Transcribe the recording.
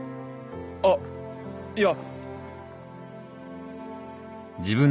あっいや。